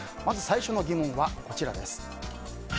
最初の疑問はこちらです。